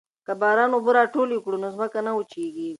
که باران اوبه راټولې کړو نو ځمکه نه وچیږي.